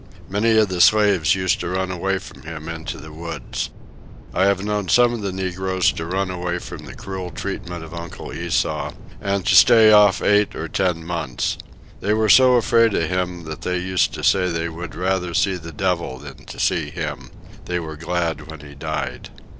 Many of the slaves used to run away from him into the woods. I have known some of the negroes to run away from the cruel treatment of Uncle Esau, and to stay off eight or ten months. They were so afraid of him that they used to say that they would rather see the devil than to see him; they were glad when he died.